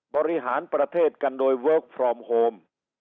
บริหารประเทศกันโดยเวิร์คฟอร์มโฮม